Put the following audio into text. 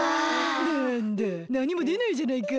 なんだなにもでないじゃないか。